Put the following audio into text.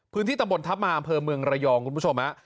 ตำบลทัพมาอำเภอเมืองระยองคุณผู้ชมฮะ